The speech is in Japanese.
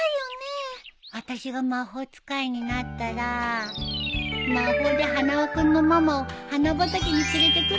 あたしが魔法使いになったら魔法で花輪君のママを花畑に連れてくるのにな。